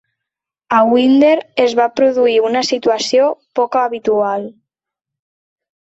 A Winder es va produir una situació poc habitual.